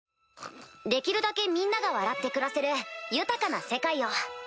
できるだけみんなが笑って暮らせる豊かな世界を。